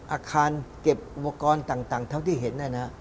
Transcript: อาคารเก็บอุปกรณ์ต่างเท่าที่เห็น